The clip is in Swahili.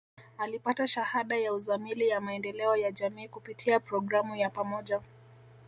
Alipata Shahada ya Uzamili ya Maendeleo ya Jamii kupitia programu ya pamoja